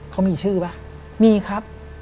เขามีชื่อป่ะ